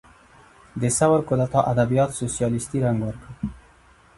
د ثور کودتا ادبیات سوسیالیستي رنګ ورکړ.